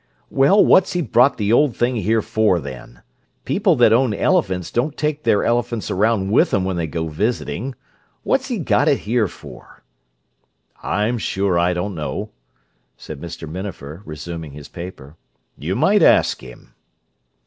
"Well, what's he brought the old thing here for, then? People that own elephants don't take them elephants around with 'em when they go visiting. What's he got it here for?" "I'm sure I don't know," said Mr. Minafer, resuming his paper. "You might ask him."